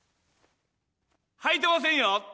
はいてませんよ！